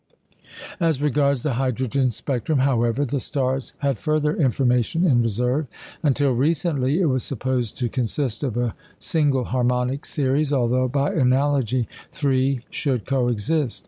As regards the hydrogen spectrum, however, the stars had further information in reserve. Until recently, it was supposed to consist of a single harmonic series, although, by analogy, three should co exist.